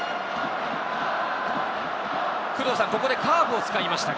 ここでカーブを使いましたが。